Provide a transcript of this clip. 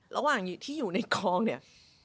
ระหว่างที่อยู่ในคลองเนี่ย